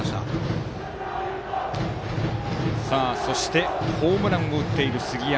バッターはホームランを打っている杉山。